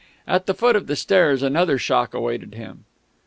At the foot of the stairs another shock awaited him.